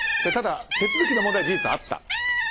ただ、手続きの問題は事実あった。